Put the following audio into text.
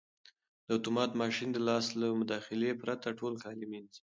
دا اتومات ماشین د لاس له مداخلې پرته ټول کالي مینځي.